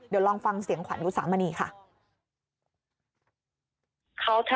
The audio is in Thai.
เดี๋ยวลองฟังเสียงขวัญดู๓วันนี้ค่ะ